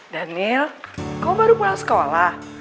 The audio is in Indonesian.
danil kamu baru pulang sekolah